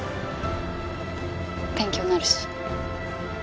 勉強になるし。